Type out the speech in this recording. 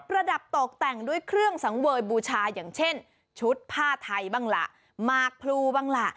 ระดับตกแต่งด้วยเครื่องสังเวยบูชาอย่างเช่นชุดผ้าไทยบ้างล่ะมากพลูบ้างล่ะ